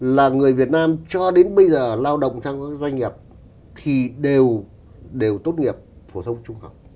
là người việt nam cho đến bây giờ lao động trong các doanh nghiệp thì đều tốt nghiệp phổ thông trung học